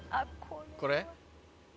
これ？